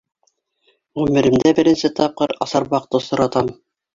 Ғүмеремдә беренсе тапҡыр асарбаҡты осратам.